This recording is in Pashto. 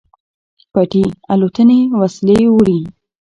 پټې الوتنې وسلې وړي.